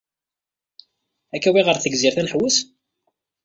Ad k-awiɣ ɣer Tegzirt ad nḥewweṣ?